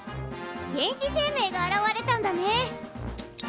原始生命が現れたんだね。